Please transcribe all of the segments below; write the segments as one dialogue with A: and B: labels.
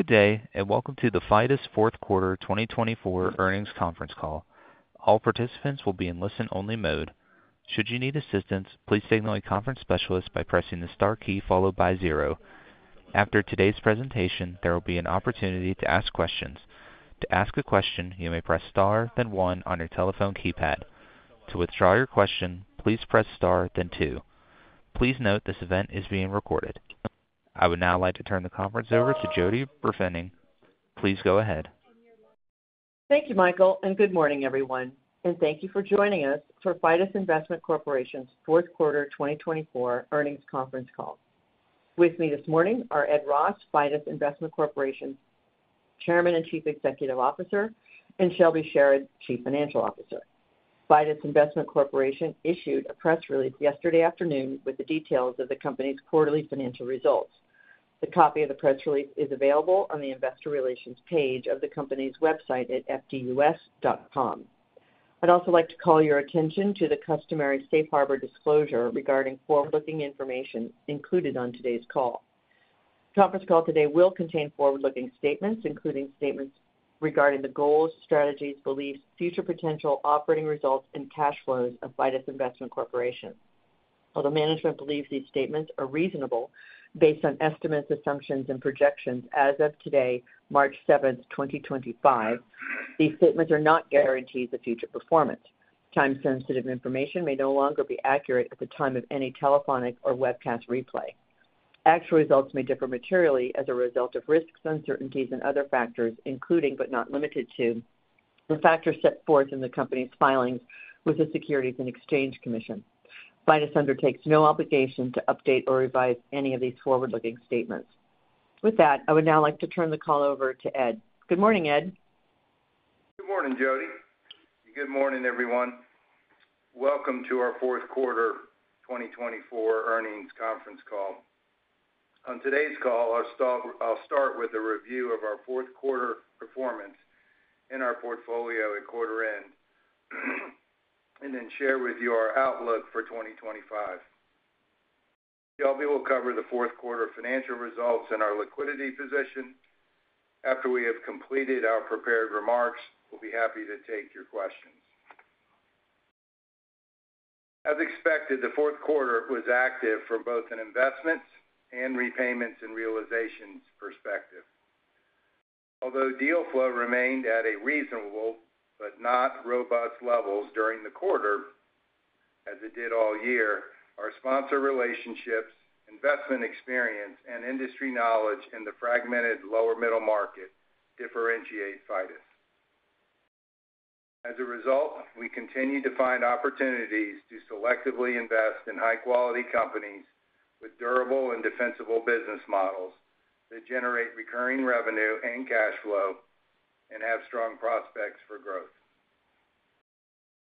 A: Good day, and welcome to the Fidus Fourth Quarter 2024 earnings conference call. All participants will be in listen-only mode. Should you need assistance, please signal a conference specialist by pressing the Star key followed by zero. After today's presentation, there will be an opportunity to ask questions. To ask a question, you may press Star then 1 on your telephone keypad. To withdraw your question, please press star then two. Please note this event is being recorded. I would now like to turn the conference over to Jody Burfening. Please go ahead.
B: Thank you, Michael, and good morning, everyone. Thank you for joining us for Fidus Investment Corporation's fourth quarter 2024 earnings conference call. With me this morning are Ed Ross, Fidus Investment Corporation's Chairman and Chief Executive Officer, and Shelby Sherard, Chief Financial Officer. Fidus Investment Corporation issued a press release yesterday afternoon with the details of the company's quarterly financial results. A copy of the press release is available on the investor relations page of the company's website at fdus.com. I'd also like to call your attention to the customary safe harbor disclosure regarding forward-looking information included on today's call. The conference call today will contain forward-looking statements, including statements regarding the goals, strategies, beliefs, future potential, operating results, and cash flows of Fidus Investment Corporation. Although management believes these statements are reasonable based on estimates, assumptions, and projections as of today, March 7th, 2025, these statements are not guarantees of future performance. Time-sensitive information may no longer be accurate at the time of any telephonic or webcast replay. Actual results may differ materially as a result of risks, uncertainties, and other factors, including but not limited to the factors set forth in the company's filings with the Securities and Exchange Commission. Fidus undertakes no obligation to update or revise any of these forward-looking statements. With that, I would now like to turn the call over to Ed. Good morning, Ed.
C: Good morning, Jody. Good morning, everyone. Welcome to our Fourth Quarter 2024 earnings conference call. On today's call, I'll start with a review of our Fourth Quarter performance in our portfolio at quarter-end and then share with you our outlook for 2025. Shelby will cover the Fourth Quarter financial results and our liquidity position. After we have completed our prepared remarks, we'll be happy to take your questions. As expected, the Fourth Quarter was active from both an investments and repayments and realizations perspective. Although deal flow remained at a reasonable but not robust levels during the quarter, as it did all year, our sponsor relationships, investment experience, and industry knowledge in the fragmented lower middle market differentiate Fidus. As a result, we continue to find opportunities to selectively invest in high-quality companies with durable and defensible business models that generate recurring revenue and cash flow and have strong prospects for growth.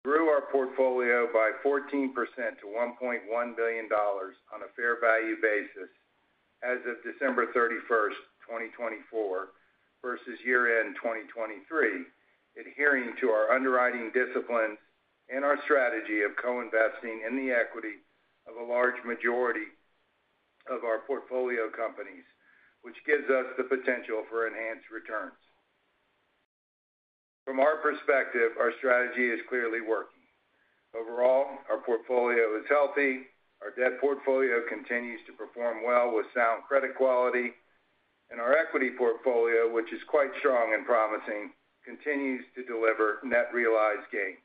C: We grew our portfolio by 14% to $1.1 billion on a fair value basis as of December 31, 2024, versus year-end 2023, adhering to our underwriting disciplines and our strategy of co-investing in the equity of a large majority of our portfolio companies, which gives us the potential for enhanced returns. From our perspective, our strategy is clearly working. Overall, our portfolio is healthy. Our debt portfolio continues to perform well with sound credit quality, and our equity portfolio, which is quite strong and promising, continues to deliver net realized gains.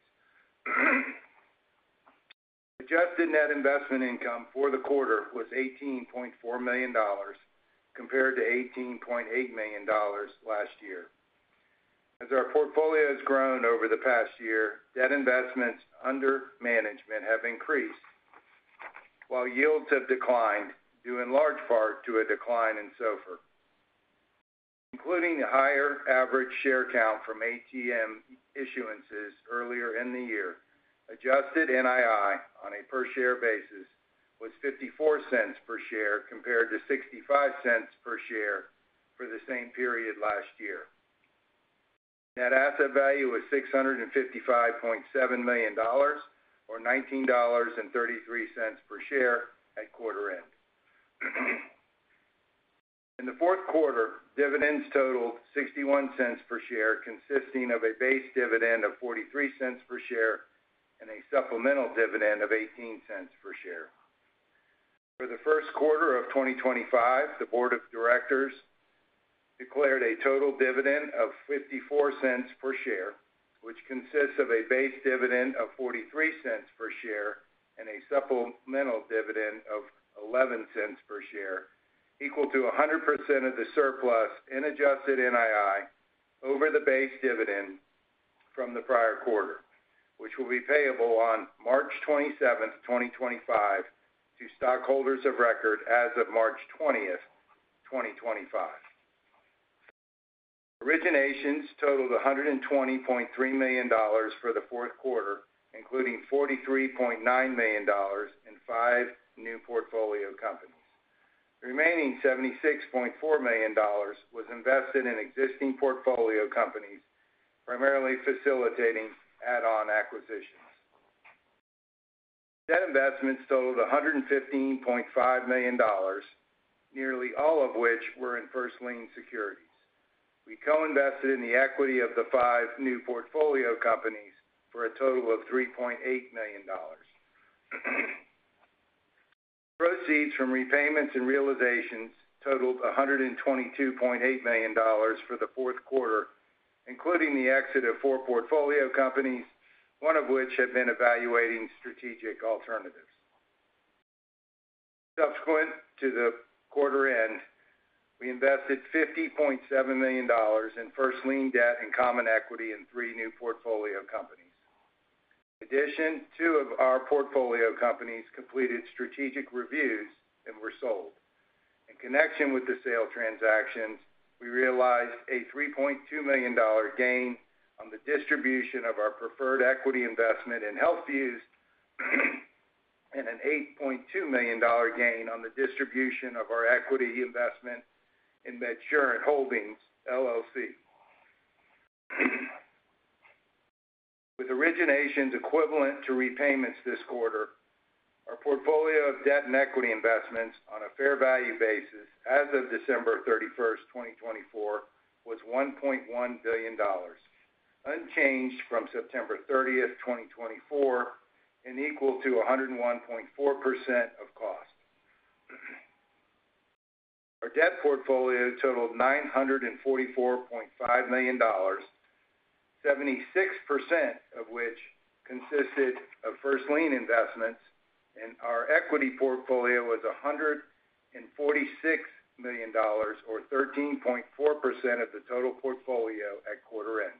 C: Adjusted net investment income for the quarter was $18.4 million compared to $18.8 million last year. As our portfolio has grown over the past year, debt investments under management have increased, while yields have declined due in large part to a decline in SOFR. Including the higher average share count from ATM issuances earlier in the year, adjusted NII on a per-share basis was $0.54 per share compared to $0.65 per share for the same period last year. Net asset value was $655.7 million, or $19.33 per share at quarter-end. In the fourth quarter, dividends totaled $0.61 per share, consisting of a base dividend of $0.43 per share and a supplemental dividend of $0.18 per share. For the first quarter of 2025, the board of directors declared a total dividend of $0.54 per share, which consists of a base dividend of $0.43 per share and a supplemental dividend of $0.11 per share, equal to 100% of the surplus in adjusted NII over the base dividend from the prior quarter, which will be payable on March 27th, 2025, to stockholders of record as of March 20th, 2025. Originations totaled $120.3 million for the fourth quarter, including $43.9 million in five new portfolio companies. The remaining $76.4 million was invested in existing portfolio companies, primarily facilitating add-on acquisitions. Debt investments totaled $115.5 million, nearly all of which were in first-lien securities. We co-invested in the equity of the five new portfolio companies for a total of $3.8 million. Proceeds from repayments and realizations totaled $122.8 million for the fourth quarter, including the exit of four portfolio companies, one of which had been evaluating strategic alternatives. Subsequent to the quarter-end, we invested $50.7 million in first-lien debt and common equity in three new portfolio companies. In addition, two of our portfolio companies completed strategic reviews and were sold. In connection with the sale transactions, we realized a $3.2 million gain on the distribution of our preferred equity investment in Healthfuse and an $8.2 million gain on the distribution of our equity investment in MedSurant Holdings, LLC. With originations equivalent to repayments this quarter, our portfolio of debt and equity investments on a fair value basis as of December 31, 2024, was $1.1 billion, unchanged from September 30, 2024, and equal to 101.4% of cost. Our debt portfolio totaled $944.5 million, 76% of which consisted of first-lien investments, and our equity portfolio was $146 million, or 13.4% of the total portfolio at quarter-end.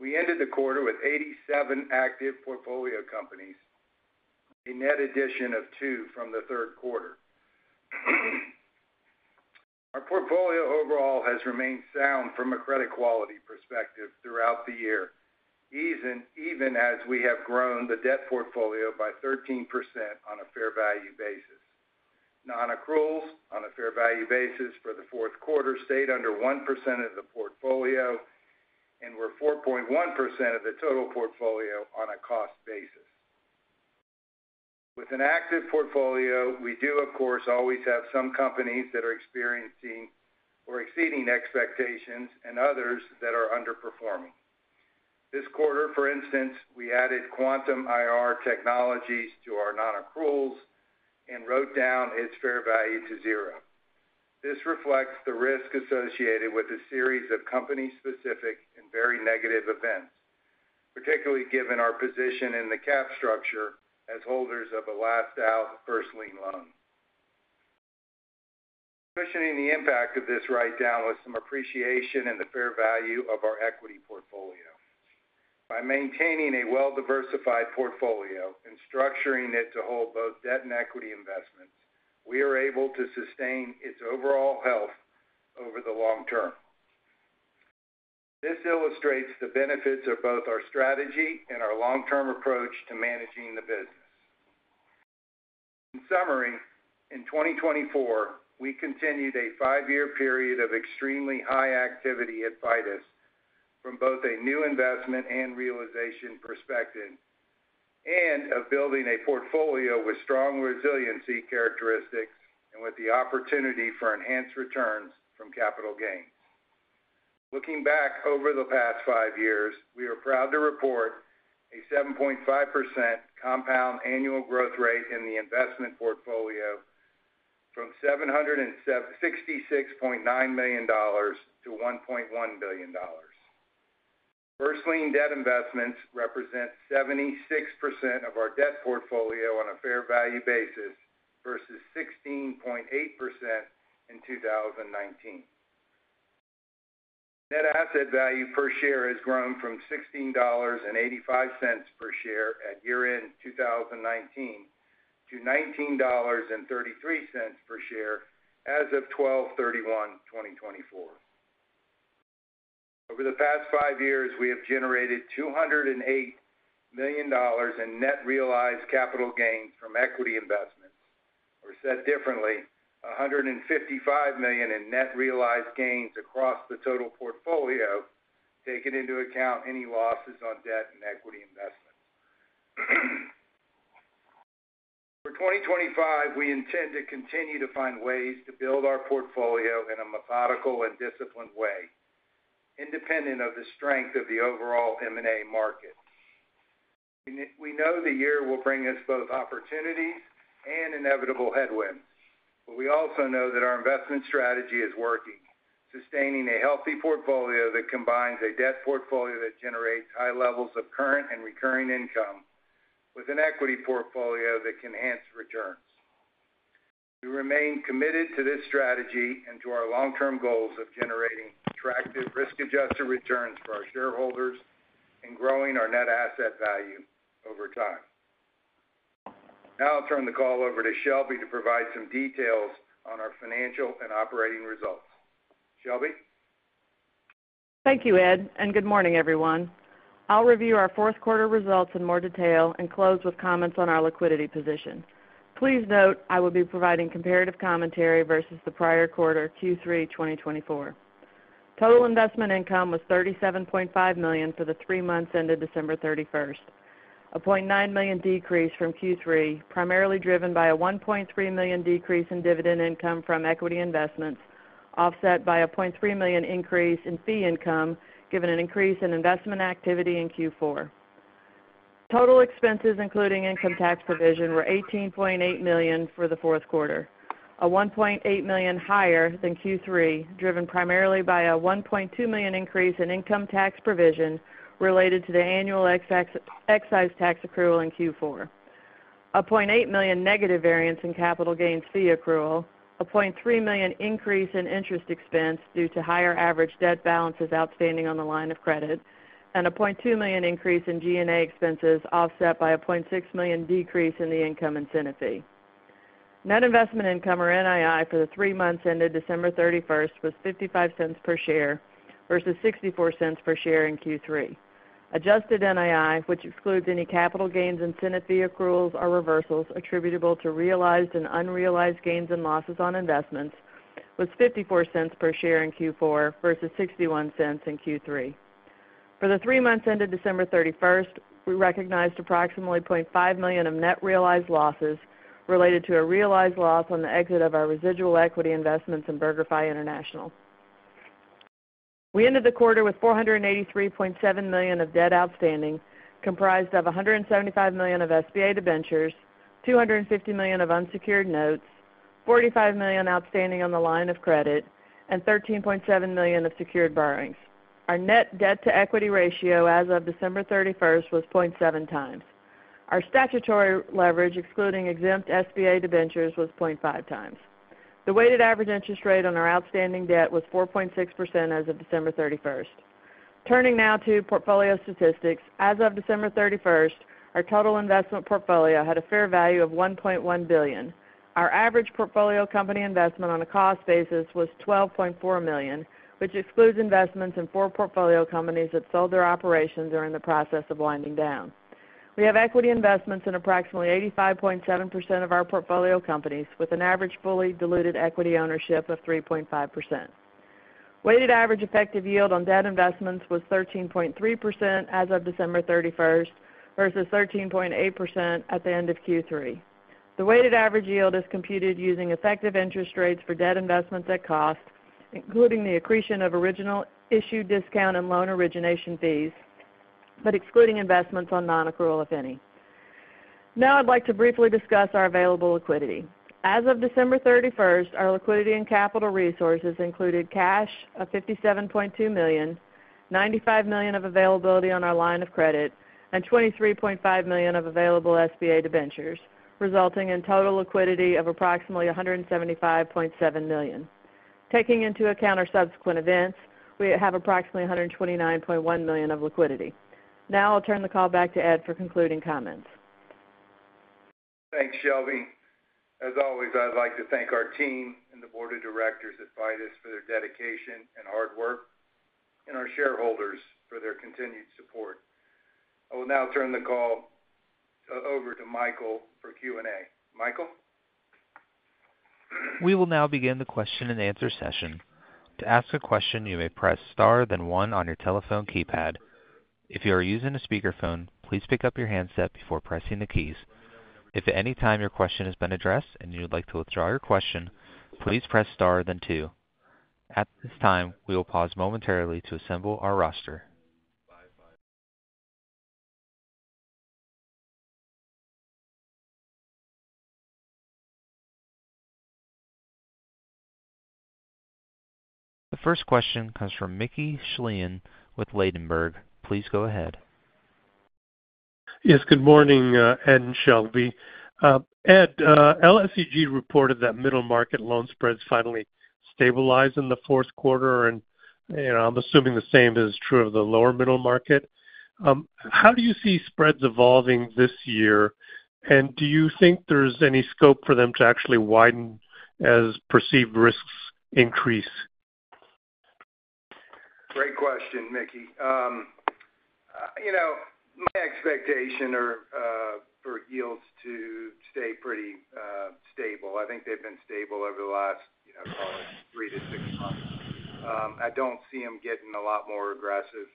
C: We ended the quarter with 87 active portfolio companies, a net addition of two from the third quarter. Our portfolio overall has remained sound from a credit quality perspective throughout the year, even as we have grown the debt portfolio by 13% on a fair value basis. Non-accruals on a fair value basis for the fourth quarter stayed under 1% of the portfolio and were 4.1% of the total portfolio on a cost basis. With an active portfolio, we do, of course, always have some companies that are experiencing or exceeding expectations and others that are underperforming. This quarter, for instance, we added Quantum IR Technologies to our non-accruals and wrote down its fair value to zero. This reflects the risk associated with a series of company-specific and very negative events, particularly given our position in the cap structure as holders of a last-out first-lien loan. Positioning the impact of this write-down was some appreciation in the fair value of our equity portfolio. By maintaining a well-diversified portfolio and structuring it to hold both debt and equity investments, we are able to sustain its overall health over the long term. This illustrates the benefits of both our strategy and our long-term approach to managing the business. In summary, in 2024, we continued a five-year period of extremely high activity at Fidus from both a new investment and realization perspective and of building a portfolio with strong resiliency characteristics and with the opportunity for enhanced returns from capital gains. Looking back over the past five years, we are proud to report a 7.5% compound annual growth rate in the investment portfolio from $766.9 million to $1.1 billion. First-lien debt investments represent 76% of our debt portfolio on a fair value basis versus 16.8% in 2019. Net asset value per share has grown from $16.85 per share at year-end 2019 to $19.33 per share as of 12/31/2024. Over the past five years, we have generated $208 million in net realized capital gains from equity investments, or said differently, $155 million in net realized gains across the total portfolio, taking into account any losses on debt and equity investments. For 2025, we intend to continue to find ways to build our portfolio in a methodical and disciplined way, independent of the strength of the overall M&A market. We know the year will bring us both opportunities and inevitable headwinds, but we also know that our investment strategy is working, sustaining a healthy portfolio that combines a debt portfolio that generates high levels of current and recurring income with an equity portfolio that can enhance returns. We remain committed to this strategy and to our long-term goals of generating attractive risk-adjusted returns for our shareholders and growing our net asset value over time. Now I'll turn the call over to Shelby to provide some details on our financial and operating results. Shelby.
D: Thank you, Ed, and good morning, everyone. I'll review our fourth quarter results in more detail and close with comments on our liquidity position. Please note I will be providing comparative commentary versus the prior quarter, Q3, 2024. Total investment income was $37.5 million for the three months ended December 31, a $0.9 million decrease from Q3, primarily driven by a $1.3 million decrease in dividend income from equity investments, offset by a $0.3 million increase in fee income, given an increase in investment activity in Q4. Total expenses, including income tax provision, were $18.8 million for the fourth quarter, a $1.8 million higher than Q3, driven primarily by a $1.2 million increase in income tax provision related to the annual excise tax accrual in Q4, a $0.8 million negative variance in capital gains fee accrual, a $0.3 million increase in interest expense due to higher average debt balances outstanding on the line of credit, and a $0.2 million increase in G&A expenses, offset by a $0.6 million decrease in the income and incentive fee. Net investment income or NII for the three months ended December 31st was $0.55 per share versus $0.64 per share in Q3. Adjusted NII, which excludes any capital gains and incentive fee accruals or reversals attributable to realized and unrealized gains and losses on investments, was $0.54 per share in Q4 versus $0.61 in Q3. For the three months ended December 31st, we recognized approximately $0.5 million of net realized losses related to a realized loss on the exit of our residual equity investments in BurgerFi International. We ended the quarter with $483.7 million of debt outstanding, comprised of $175 million of SBA debentures, $250 million of unsecured notes, $45 million outstanding on the line of credit, and $13.7 million of secured borrowings. Our net debt-to-equity ratio as of December 31st was 0.7 times. Our statutory leverage, excluding exempt SBA debentures, was 0.5 times. The weighted average interest rate on our outstanding debt was 4.6% as of December 31st. Turning now to portfolio statistics, as of December 31st, our total investment portfolio had a fair value of $1.1 billion. Our average portfolio company investment on a cost basis was $12.4 million, which excludes investments in four portfolio companies that sold their operations or are in the process of winding down. We have equity investments in approximately 85.7% of our portfolio companies, with an average fully diluted equity ownership of 3.5%. Weighted average effective yield on debt investments was 13.3% as of December 31 versus 13.8% at the end of Q3. The weighted average yield is computed using effective interest rates for debt investments at cost, including the accretion of original issue discount and loan origination fees, but excluding investments on non-accrual, if any. Now I'd like to briefly discuss our available liquidity. As of December 31, our liquidity and capital resources included cash of $57.2 million, $95 million of availability on our line of credit, and $23.5 million of available SBA debentures, resulting in total liquidity of approximately $175.7 million. Taking into account our subsequent events, we have approximately $129.1 million of liquidity. Now I'll turn the call back to Ed for concluding comments.
C: Thanks, Shelby. As always, I'd like to thank our team and the board of directors at Fidus for their dedication and hard work, and our shareholders for their continued support. I will now turn the call over to Michael for Q&A. Michael?
A: We will now begin the question and answer session. To ask a question, you may press Star then 1 on your telephone keypad. If you are using a speakerphone, please pick up your handset before pressing the keys. If at any time your question has been addressed and you'd like to withdraw your question, please press star then two. At this time, we will pause momentarily to assemble our roster. The first question comes from Mickey Schleien with Ladenburg. Please go ahead.
E: Yes, good morning, Ed and Shelby. Ed, LSEG reported that middle market loan spreads finally stabilized in the fourth quarter, and I'm assuming the same is true of the lower middle market. How do you see spreads evolving this year, and do you think there's any scope for them to actually widen as perceived risks increase?
C: Great question, Mickey. My expectation for yields to stay pretty stable. I think they've been stable over the last three to six months. I don't see them getting a lot more aggressive.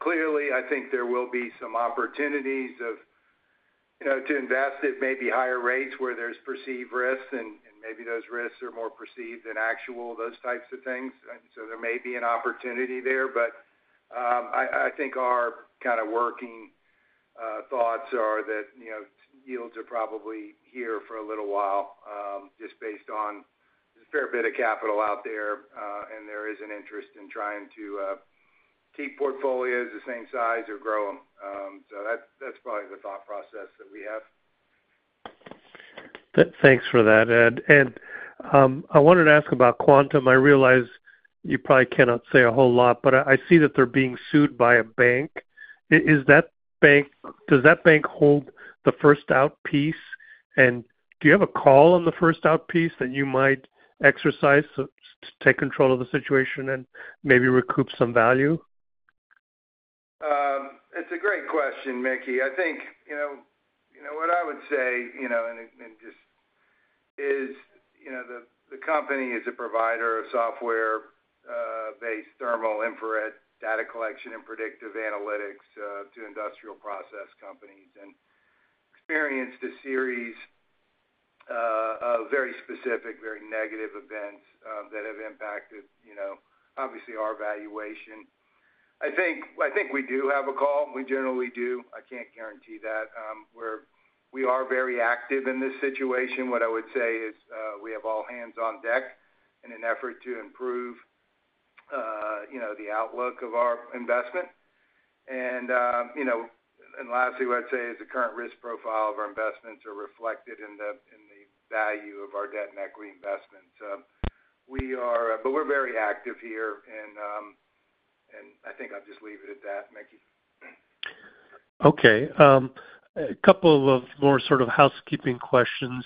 C: Clearly, I think there will be some opportunities to invest at maybe higher rates where there's perceived risks, and maybe those risks are more perceived than actual, those types of things. There may be an opportunity there, but I think our kind of working thoughts are that yields are probably here for a little while just based on there's a fair bit of capital out there, and there is an interest in trying to keep portfolios the same size or grow them. That's probably the thought process that we have.
E: Thanks for that, Ed. Ed, I wanted to ask about Quantum. I realize you probably cannot say a whole lot, but I see that they're being sued by a bank. Does that bank hold the first-out piece, and do you have a call on the first-out piece that you might exercise to take control of the situation and maybe recoup some value?
C: It's a great question, Mickey. I think what I would say is the company is a provider of software-based thermal infrared data collection and predictive analytics to industrial process companies and experienced a series of very specific, very negative events that have impacted, obviously, our valuation. I think we do have a call. We generally do. I can't guarantee that. We are very active in this situation. What I would say is we have all hands on deck in an effort to improve the outlook of our investment. Lastly, what I'd say is the current risk profile of our investments are reflected in the value of our debt and equity investments. We're very active here, and I think I'll just leave it at that, Mickey.
E: Okay. A couple of more sort of housekeeping questions.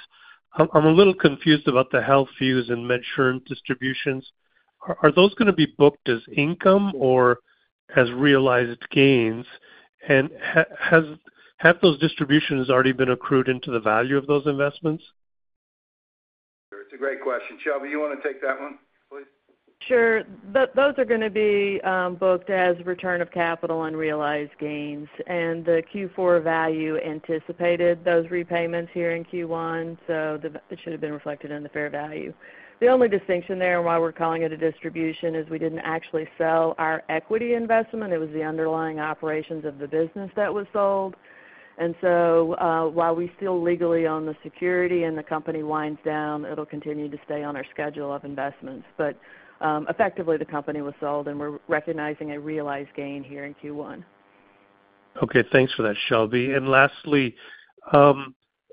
E: I'm a little confused about the Health Fuse and MedSurant distributions. Are those going to be booked as income or as realized gains? And have those distributions already been accrued into the value of those investments?
C: Sure. It's a great question. Shelby, you want to take that one, please?
D: Sure. Those are going to be booked as return of capital and realized gains, and the Q4 value anticipated those repayments here in Q1, so it should have been reflected in the fair value. The only distinction there and why we're calling it a distribution is we didn't actually sell our equity investment. It was the underlying operations of the business that was sold. While we still legally own the security and the company winds down, it'll continue to stay on our schedule of investments. Effectively, the company was sold, and we're recognizing a realized gain here in Q1.
E: Okay. Thanks for that, Shelby. Lastly,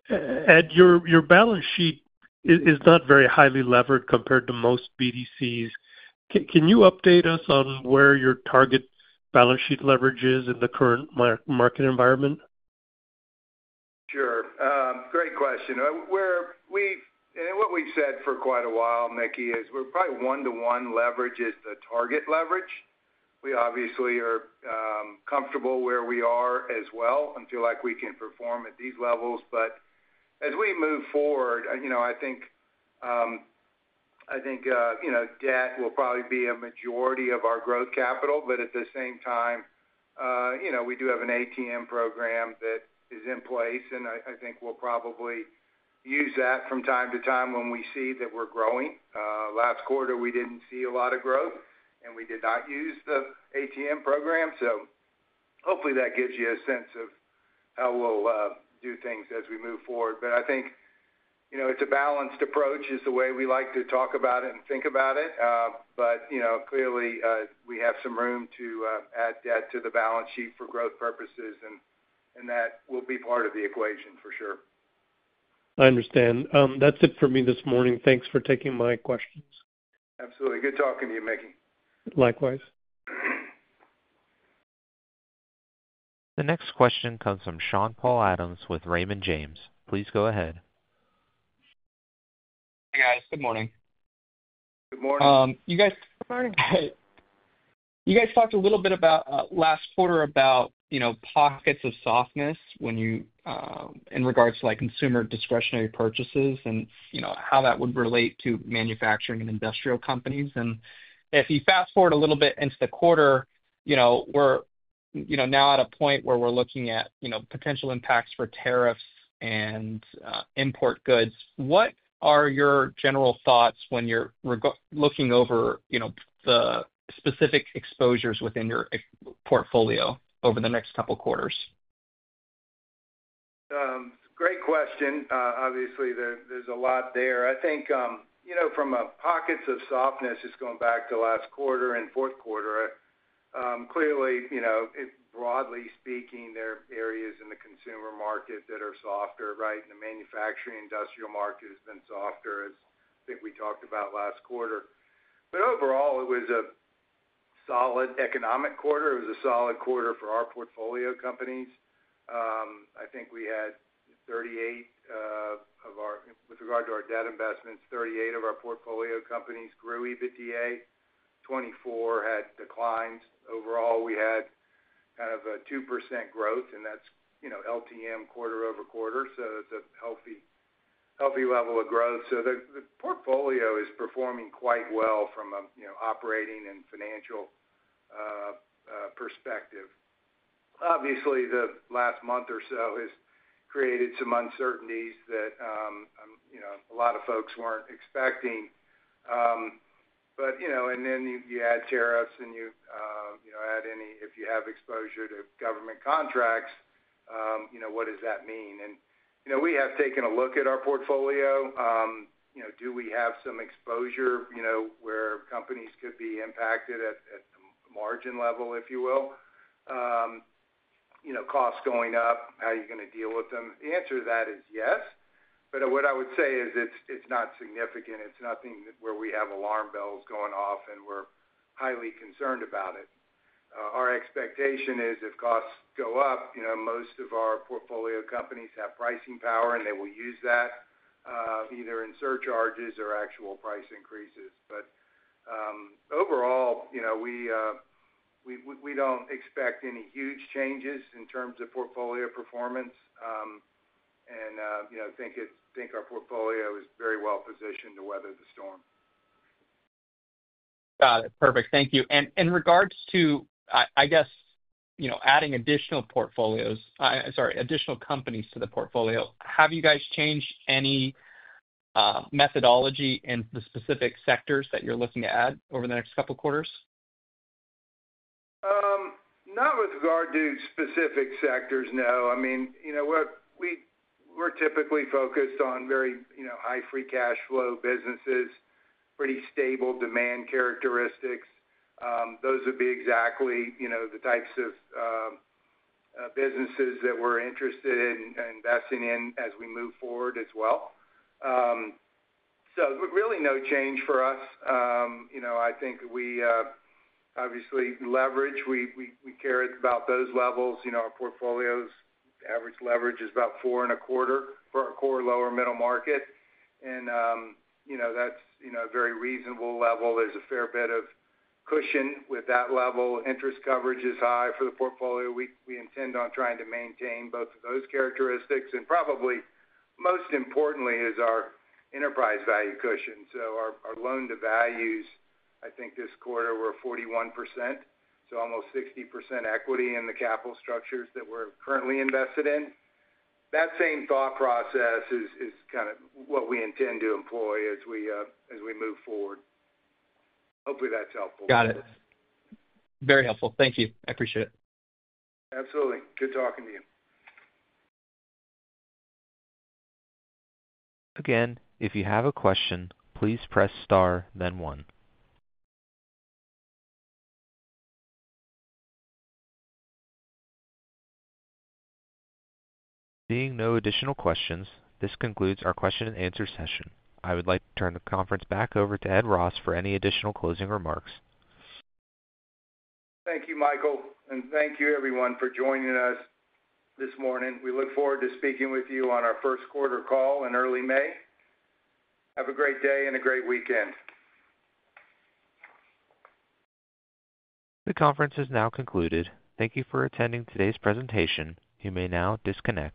E: Ed, your balance sheet is not very highly levered compared to most BDCs. Can you update us on where your target balance sheet leverage is in the current market environment?
C: Sure. Great question. What we've said for quite a while, Mickey, is we're probably one-to-one leverage is the target leverage. We obviously are comfortable where we are as well and feel like we can perform at these levels. As we move forward, I think debt will probably be a majority of our growth capital, but at the same time, we do have an ATM Program that is in place, and I think we'll probably use that from time to time when we see that we're growing. Last quarter, we didn't see a lot of growth, and we did not use the ATM Program. Hopefully, that gives you a sense of how we'll do things as we move forward. I think it's a balanced approach is the way we like to talk about it and think about it. Clearly, we have some room to add debt to the balance sheet for growth purposes, and that will be part of the equation for sure.
E: I understand. That's it for me this morning. Thanks for taking my questions.
C: Absolutely. Good talking to you, Mickey.
E: Likewise.
A: The next question comes from Sean-Paul Adams with Raymond James. Please go ahead.
F: Hey, guys. Good morning.
C: Good morning.
F: You guys talked a little bit last quarter about pockets of softness in regards to consumer discretionary purchases and how that would relate to manufacturing and industrial companies. If you fast forward a little bit into the quarter, we're now at a point where we're looking at potential impacts for tariffs and import goods. What are your general thoughts when you're looking over the specific exposures within your portfolio over the next couple of quarters?
C: Great question. Obviously, there's a lot there. I think from a pockets of softness, just going back to last quarter and fourth quarter, clearly, broadly speaking, there are areas in the consumer market that are softer, right? The manufacturing industrial market has been softer, as I think we talked about last quarter. Overall, it was a solid economic quarter. It was a solid quarter for our portfolio companies. I think we had 38 of our, with regard to our debt investments, 38 of our portfolio companies grew EBITDA. Twenty-four had declined. Overall, we had kind of a 2% growth, and that's LTM quarter over quarter. It's a healthy level of growth. The portfolio is performing quite well from an operating and financial perspective. Obviously, the last month or so has created some uncertainties that a lot of folks weren't expecting. You add tariffs, and you add any if you have exposure to government contracts, what does that mean? We have taken a look at our portfolio. Do we have some exposure where companies could be impacted at the margin level, if you will? Costs going up, how are you going to deal with them? The answer to that is yes. What I would say is it's not significant. It's nothing where we have alarm bells going off, and we're highly concerned about it. Our expectation is if costs go up, most of our portfolio companies have pricing power, and they will use that either in surcharges or actual price increases. Overall, we do not expect any huge changes in terms of portfolio performance and think our portfolio is very well positioned to weather the storm.
F: Got it. Perfect. Thank you. In regards to, I guess, adding additional companies to the portfolio, have you guys changed any methodology in the specific sectors that you're looking to add over the next couple of quarters?
C: Not with regard to specific sectors, no. I mean, we're typically focused on very high free cash flow businesses, pretty stable demand characteristics. Those would be exactly the types of businesses that we're interested in investing in as we move forward as well. Really no change for us. I think we obviously leverage. We care about those levels. Our portfolio's average leverage is about four and a quarter for our core lower middle market. That's a very reasonable level. There's a fair bit of cushion with that level. Interest coverage is high for the portfolio. We intend on trying to maintain both of those characteristics. Probably most importantly is our enterprise value cushion. Our loan-to-values, I think this quarter were 41%, so almost 60% equity in the capital structures that we're currently invested in. That same thought process is kind of what we intend to employ as we move forward. Hopefully, that's helpful.
F: Got it. Very helpful. Thank you. I appreciate it.
C: Absolutely. Good talking to you.
A: Once again, if you have a question, please press star, then one. Seeing no additional questions, this concludes our question and answer session. I would like to turn the conference back over to Ed Ross for any additional closing remarks.
C: Thank you, Michael, and thank you, everyone, for joining us this morning. We look forward to speaking with you on our first quarter call in early May. Have a great day and a great weekend.
A: The conference has now concluded. Thank you for attending today's presentation. You may now disconnect.